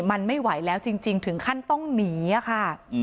มันไม่ไหวแล้วจริงถึงขั้นต้องหนีค่ะ